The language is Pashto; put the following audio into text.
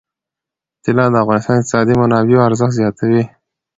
طلا د افغانستان د اقتصادي منابعو ارزښت زیاتوي.